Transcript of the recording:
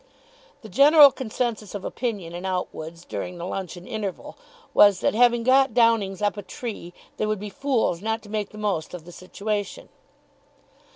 The general consensus of opinion in Outwood's during the luncheon interval was that, having got Downing's up a tree, they would be fools not to make the most of the situation.